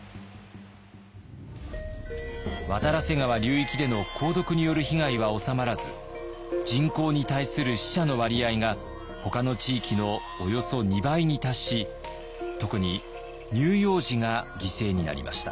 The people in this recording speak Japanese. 渡良瀬川流域での鉱毒による被害は収まらず人口に対する死者の割合がほかの地域のおよそ２倍に達し特に乳幼児が犠牲になりました。